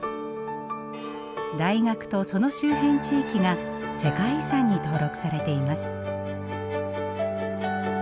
大学とその周辺地域が世界遺産に登録されています。